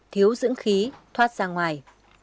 thiếu dưỡng khí thoát ra ngoài